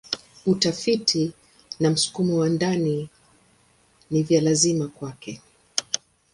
Utafiti na msukumo wa ndani ni vya lazima kwake.